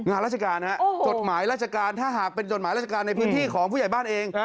ราชการฮะจดหมายราชการถ้าหากเป็นจดหมายราชการในพื้นที่ของผู้ใหญ่บ้านเอง